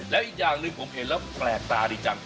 แล้วอีกอย่างหนึ่งผมเห็นแล้วแปลกตาดีจัง